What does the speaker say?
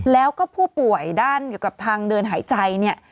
แล้วก็ผู้ป่วยด้านเกี่ยวกับทางเดินหายใจเนี่ย